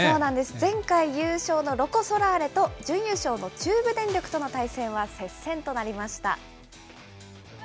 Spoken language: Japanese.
前回優勝のロコ・ソラーレと準優勝の中部電力との対戦は接戦となりました。